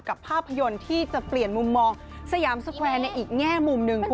ภาพยนตร์ที่จะเปลี่ยนมุมมองสยามสแควร์ในอีกแง่มุมหนึ่งคุณ